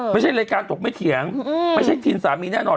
ไม่ใช่รายการตกไม่เถียงไม่ใช่ทีมสามีแน่นอน